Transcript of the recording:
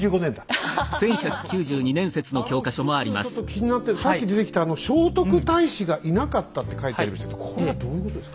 あの一つちょっと気になってるさっき出てきた聖徳太子がいなかったって書いてありましたけどこれはどういうことですか？